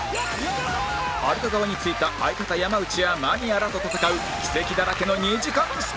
有田側についた相方山内や間宮らと戦う奇跡だらけの２時間スペシャル